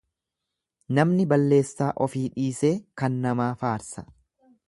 Namni balleessaa ofii dhiisee kan namaa faarsa.